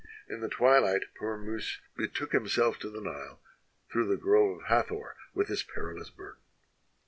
In the twilight poor Mils 199 EGYPT betook himself to the Nile through the grove of Hathor, with his perilous burden.